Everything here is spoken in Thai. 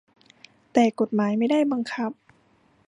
แต่กฎหมายไม่ได้บังคับ